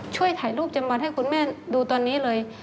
ช่วยถ่ายรูปจำวัดให้คุณแม่ดูตอนนี้เลย